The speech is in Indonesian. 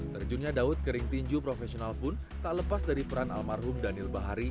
terjunnya daud kering tinju profesional pun tak lepas dari peran almarhum daniel bahari